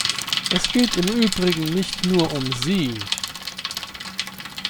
Es geht im Übrigen nicht nur um Sie.